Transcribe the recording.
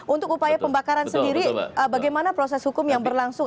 untuk upaya pembakaran sendiri bagaimana proses hukum yang berlangsung